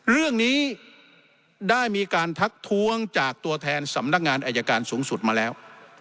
เรื่องนี้ได้มีการทักท้วงจากตัวแทนสำนักงานอายการสูงสุดมาแล้ว